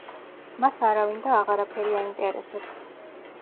მას არავინ და აღარაფერი აინტერესებს.